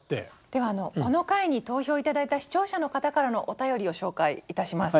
ではこの回に投票頂いた視聴者の方からのお便りを紹介いたします。